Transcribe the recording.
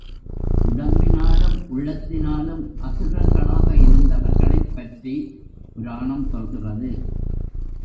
உடம்பினாலும், உள்ளத்தினாலும் அசுரர்களாக இருந்தவர்களைப் பற்றிப் புராணம் சொல்கிறது.